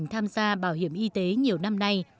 chị đã tham gia bảo hiểm y tế nhiều năm nay